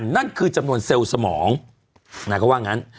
นั่นคือจำนวนเซลล์สมองนางก็ว่างั้น